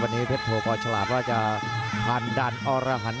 วันนี้เพชรโทกรฉลาดว่าจะผ่านดันอรหัน